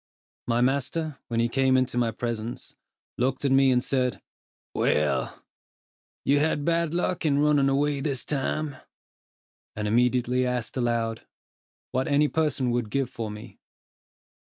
My master, when he came into my presence, looked at me, and said, "Well, , you had bad luck in running away this time;" and immediately asked aloud, what any person would give for me.